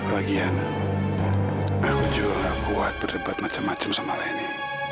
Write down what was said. lagian aku juga nggak kuat berdebat macam macam sama leni